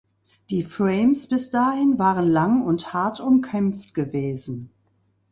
Die Frames bis dahin waren lang und hart umkämpft gewesen.